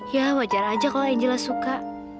yah wajar aja kalo angela suka